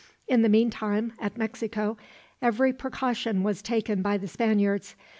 In the meantime, at Mexico, every precaution was taken by the Spaniards.